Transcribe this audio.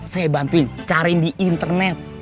saya bantuin cari di internet